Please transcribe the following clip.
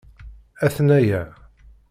Atnaya.